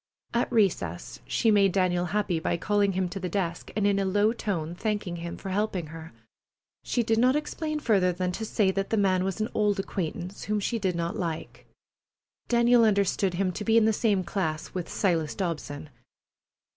At recess she made Daniel happy by calling him to the desk and in a low tone thanking him for helping her. She did not explain further than to say that the man was an old acquaintance whom she did not like. Daniel understood him to be in the same class with Silas Dobson.